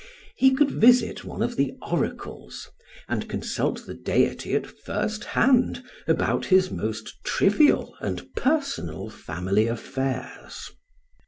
He could visit one of the oracles and consult the deity at first hand about his most trivial and personal family affairs.